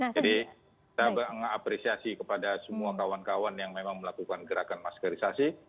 jadi saya mengapresiasi kepada semua kawan kawan yang memang melakukan gerakan maskarisasi